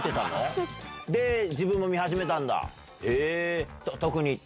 自分も見始めたんだ。